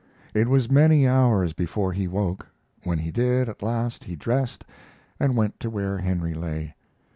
It was many hours before he woke; when he did, at last, he dressed and went to where Henry lay.